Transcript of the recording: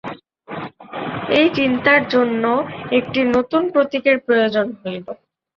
এই চিন্তার জন্য একটি নূতন প্রতীকের প্রয়োজন হইল।